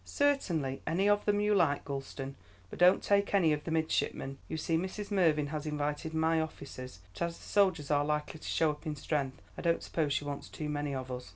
"Certainly, any of them you like, Gulston, but don't take any of the midshipmen; you see Mrs. Mervyn has invited my officers, but as the soldiers are likely to show up in strength, I don't suppose she wants too many of us."